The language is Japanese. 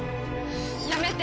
やめて！